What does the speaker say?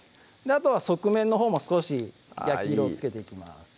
あとは側面のほうも少し焼き色をつけていきます